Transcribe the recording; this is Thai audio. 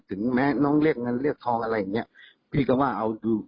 ถึงแม้น้องเรียกเงินเรียกทองอะไรอย่างเงี้ยพี่ก็ว่าเอาดู